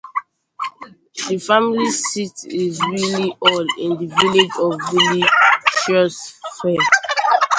The family seat is Willey Hall, in the village of Willey, Shropshire.